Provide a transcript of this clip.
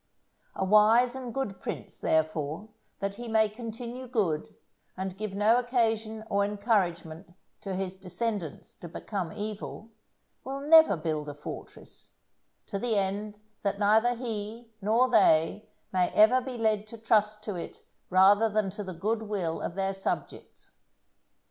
A wise and good prince, therefore, that he may continue good, and give no occasion or encouragement to his descendants to become evil, will never build a fortress, to the end that neither he nor they may ever be led to trust to it rather than to the good will of their subjects.